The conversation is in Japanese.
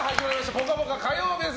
「ぽかぽか」、火曜日です。